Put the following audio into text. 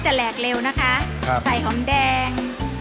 แหลกเร็วนะคะใส่หอมแดง